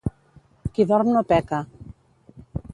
Qui dorm no peca.